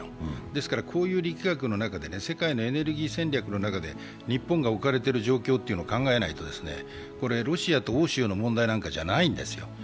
ですから、こういう力学の中で世界のエネルギー戦略の中で、日本が置かれてる状況を考えないとロシアと欧州の問題なんかじゃないんですよ。